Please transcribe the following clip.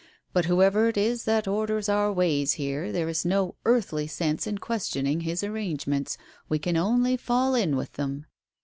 ... "But whoever it is that orders our ways here, there is no earthly sense in questioning His arrangements, we can only fall in with them.